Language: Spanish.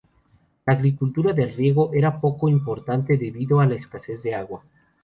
La agricultura de riego era poco importante, debido a la escasez de agua.